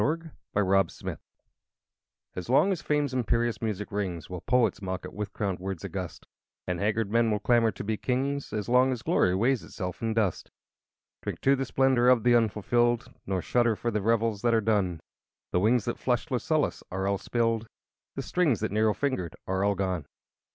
Three Quatrains I As long as Fame's imperious music rings Will poets mock it with crowned words august; And haggard men will clamber to be kings As long as Glory weighs itself in dust. II Drink to the splendor of the unfulfilled, Nor shudder for the revels that are done: The wines that flushed Lucullus are all spilled, The strings that Nero fingered are all gone.